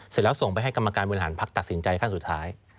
เสร็จแล้วส่งไปให้กรรมการบริหารพักตัดสินใจขั้นสุดท้าย